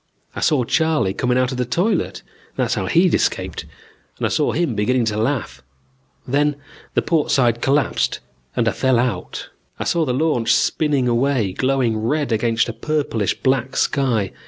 I saw Charley coming out of the toilet that's how he'd escaped and I saw him beginning to laugh. Then the port side collapsed and I fell out. "I saw the launch spinning away, glowing red against a purplish black sky.